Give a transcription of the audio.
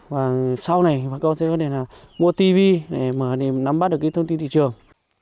và sau này bà con sẽ có thể là mua tv để mà nắm bắt được cái thông tin thị trường